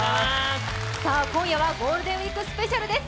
さあ、今夜はゴールデンウイークスペシャルです。